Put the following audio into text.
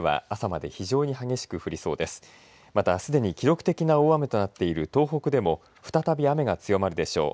また、すでに記録的な大雨となっている東北でも再び雨が強まるでしょう。